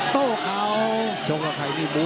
โต้เขา